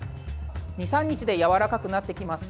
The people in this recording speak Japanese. ２３日でやわらかくなってきます。